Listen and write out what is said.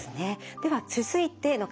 では続いての方